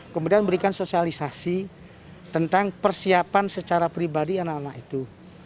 kemudian memberikan sosialisasi tentang persiapan secara pribadi anak anak itu